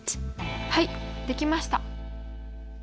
はいできました。